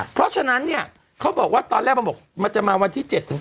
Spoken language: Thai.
เพราะฉะนั้นเนี่ยเขาบอกว่าตอนแรกมันบอกมันจะมาวันที่๗ถึง